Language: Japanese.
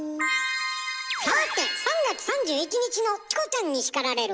さて３月３１日の「チコちゃんに叱られる！」